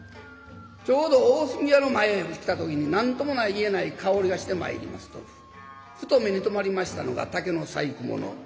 ちょうど大杉屋の前へ来た時に何とも言えない香りがしてまいりますとふと目に留まりましたのが竹の細工物。